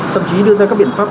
thậm chí đưa ra các biện pháp